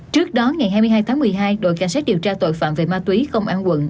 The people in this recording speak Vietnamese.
trước đó ngày hai mươi hai tháng một mươi hai đội cảnh sát điều tra tội phạm về ma túy công an quận